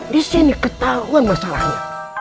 disini ketahuan masalahnya